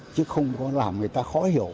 chứ không có làm người ta khó hiểu